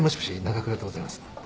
長倉でございます。